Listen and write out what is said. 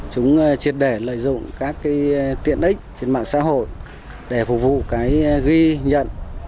chúng triệt để lợi dụng các tiện ích trên mạng xã hội để phục vụ ghi nhận